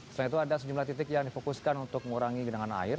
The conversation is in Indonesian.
selain itu ada sejumlah titik yang difokuskan untuk mengurangi genangan air